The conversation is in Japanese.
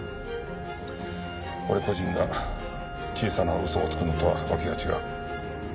俺個人が小さな嘘をつくのとは訳が違う。